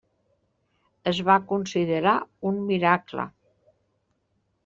Es va considerar un miracle!